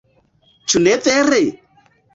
Ĉu ne vere?